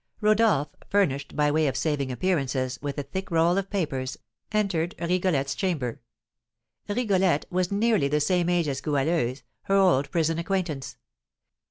Rodolph, furnished, by way of saving appearances, with a thick roll of papers, entered Rigolette's chamber. Rigolette was nearly the same age as Goualeuse, her old prison acquaintance.